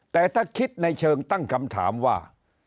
แต่ถ้าคิดในเชิงตั้งคำถามว่า